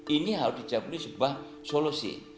ini harus dijawab ini sebuah solusi